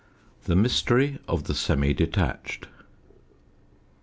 _THE MYSTERY OF THE SEMI DETACHED.